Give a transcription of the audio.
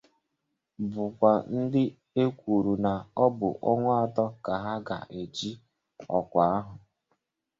bụkwa ndị e kwùrù na ọ bụ ọnwa atọ ka ha ga-eji ọkwa ahụ